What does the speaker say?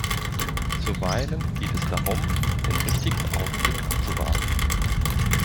Zuweilen geht es darum, den richtigen Augenblick abzuwarten.